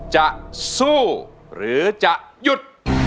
จะสู้หรือจะหยุด